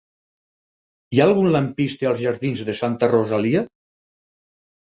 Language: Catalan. Hi ha algun lampista als jardins de Santa Rosalia?